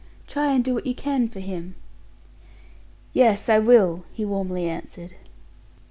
Try and do what you can for him." "Yes, I will," he warmly answered.